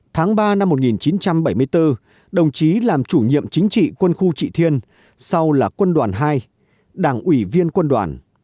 tháng ba năm một nghìn chín trăm bảy mươi bốn đồng chí làm chủ nhiệm chính trị quân khu trị thiên sau là quân đoàn hai đảng ủy viên quân đoàn